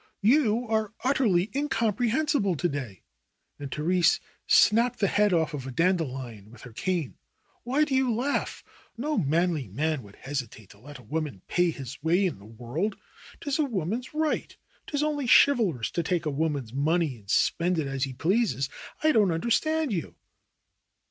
'Wou are utterly incomprehensible to day," and The rese snapped the head off a dandelion with her cane. '^Why do you laugh? No manly man would hesitate to let a woman pay his way in the world. 'Tis a woman's right. 'Tis only chivalrous to take a woman's money and spend it as he pleases. I don't understand you."